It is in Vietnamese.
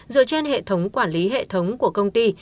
dựa trên hệ thống quản lý hệ thống của công ty